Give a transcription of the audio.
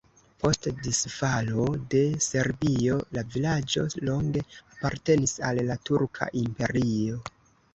Post disfalo de Serbio la vilaĝo longe apartenis al la Turka Imperio.